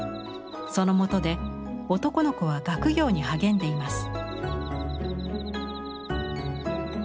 そのもとで男の子は学業に励んでいます。